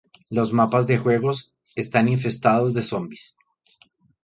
Los mapas de juego están infestados de zombies.